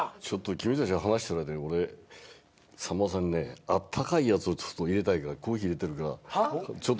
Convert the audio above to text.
君たちが話してる間に俺さんまさんにねあったかいやつを入れたいからコーヒー入れてるからちょっと話してもらって。